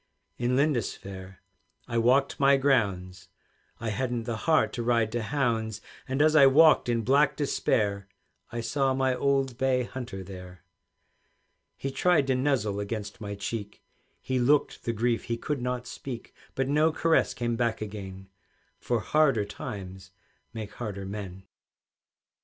In Lindisfaire I walked my grounds, I hadn't the heart to ride to hounds; And as I walked in black despair, I saw my old bay hunter there. He tried to nuzzle against my cheek, He looked the grief he could not speak; But no caress came back again, For harder times make harder men.